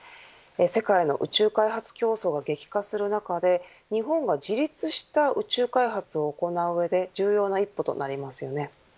世界の宇宙開発競争が激化する中で日本が自立した宇宙開発を行う上で重要な一歩となりますよね。